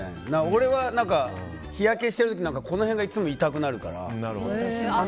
俺は日焼けしてる時頬の辺が痛くなるから。